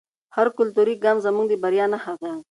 هر کلتوري ګام زموږ د بریا نښه ده.